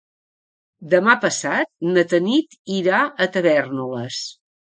Demà passat na Tanit irà a Tavèrnoles.